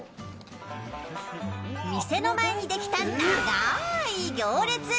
店の前にできた長い行列。